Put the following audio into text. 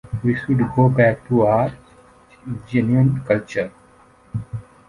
We should go back to our genuine culture.